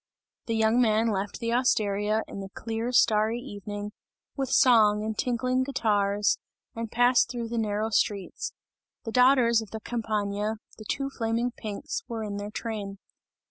The young man left the osteria, in the clear starry evening, with song and tinkling guitars, and passed through the narrow streets. The daughters of the Campagna, the two flaming pinks, were in their train.